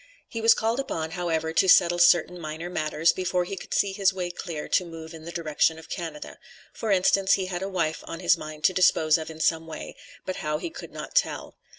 He was called upon, however, to settle certain minor matters, before he could see his way clear to move in the direction of Canada; for instance, he had a wife on his mind to dispose of in some way, but how he could not tell.